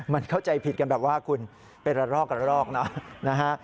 มันเข้าใจผิดกันแบบว่าคุณเป็นระรอกนะฮะ